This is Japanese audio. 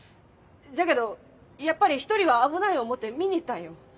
じゃけどやっぱり１人は危ない思って見に行ったんよ。